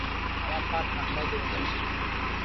আমার পা ঠাণ্ডায় জমে যাচ্ছে।